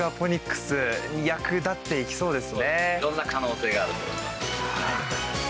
色んな可能性があると思います。